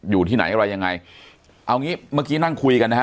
อยู่ที่ไหนอย่างไรอย่างไรเอาอย่างงี้เมื่อกี๊นั่งคุยกัน